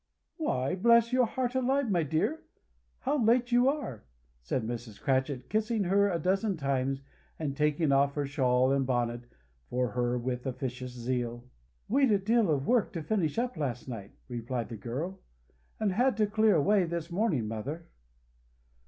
"Why, bless your heart alive, my dear, how late you are!" said Mrs. Cratchit, kissing her a dozen times, and taking off her shawl and bonnet for her with officious zeal. "We'd a deal of work to finish up last night," replied the girl, "and had to clear away this morning, mother!"